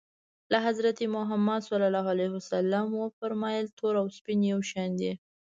لکه حضرت محمد ص و فرمایل تور او سپین یو شان دي.